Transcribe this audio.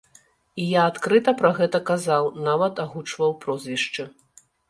І я адкрыта пра гэта казаў, нават агучваў прозвішчы.